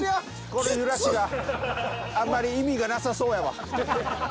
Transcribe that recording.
この揺らしがあんまり意味がなさそうやわ。